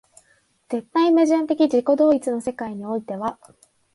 絶対矛盾的自己同一の世界においては、